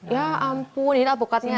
ya ampun ini alpukatnya